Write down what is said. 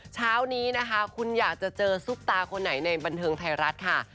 เช้านี้นะคะคุณอยากจะเจอซุปตาคนไหนในบันเทิงไทยรัฐค่ะ